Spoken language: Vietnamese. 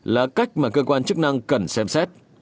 là cách mà cơ quan chức năng cần xem xét